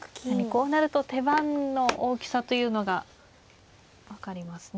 こうなると手番の大きさというのが分かりますね。